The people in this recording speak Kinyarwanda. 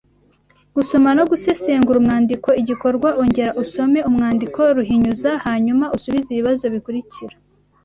Gusoma no gusesengura umwandiko Igikorwa Ongera usome umwandiko Ruhinyuza hanyuma usubize ibibazo bikurikira